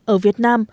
ở việt nam